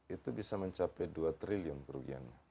itu bisa mencapai dua triliun kerugiannya